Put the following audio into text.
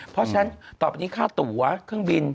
เพราะฉะนั้นต่อไปนี้ค่าตัวเครื่องบิน